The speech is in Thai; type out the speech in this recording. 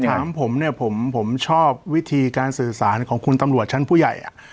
ถามผมเนี่ยผมชอบวิธีการสื่อสารของคุณตำรวจชั้นผู้ใหญ่